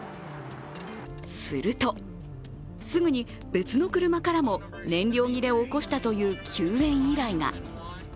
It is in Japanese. すると、すぐに別の車からも燃料切れを起こしたという救援依頼が。